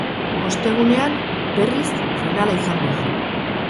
Ostegunean, berriz, finala izango da.